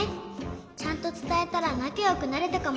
ちゃんとつたえたらなかよくなれたかもしれないのに。